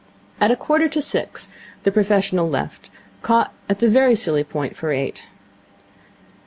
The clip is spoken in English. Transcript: At a quarter to six the professional left, caught at very silly point for eight.